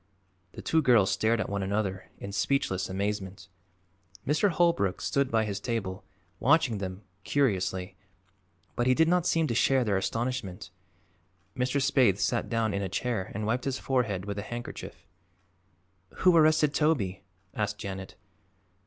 The two girls stared at one another in speechless amazement. Mr. Holbrook stood by his table, watching them curiously, but he did not seem to share their astonishment. Mr. Spaythe sat down in a chair and wiped his forehead with a handkerchief. "Who arrested Toby?" asked Janet.